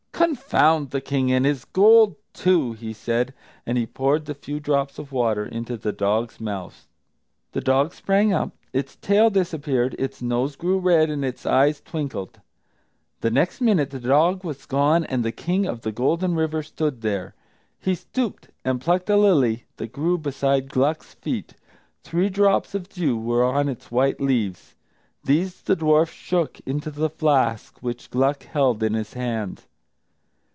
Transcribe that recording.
"Confound the King and his gold, too!" he said; and he poured the few drops of water into the dog's mouth. The dog sprang up; its tail disappeared, its nose grew red, and its eyes twinkled. The next minute the dog was gone, and the King of the Golden River stood there. He stooped and plucked a lily that grew beside Gluck's feet. Three drops of dew were on its white leaves. These the dwarf shook into the flask which Gluck held in his hand.